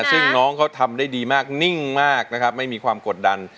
ซึ่งน้องเขาทำได้ดีมากนิ่งมากนะครับไม่มีความกดดัน